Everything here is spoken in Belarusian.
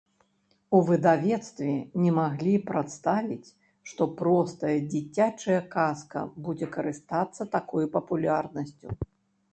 У выдавецтве не маглі прадставіць, што простая дзіцячая казка будзе карыстацца такой папулярнасцю.